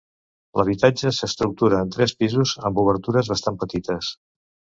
L'habitatge s'estructura en tres pisos amb obertures bastant petites.